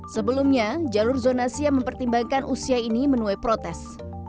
sebelumnya jalur zonasi yang mempertimbangkan usia ini menuai protes